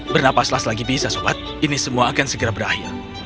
bernapaslah selagi bisa sobat ini semua akan segera berakhir